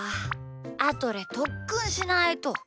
あとでとっくんしないと。